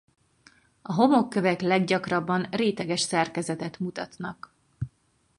A homokkövek leggyakrabban réteges szerkezetet mutatnak.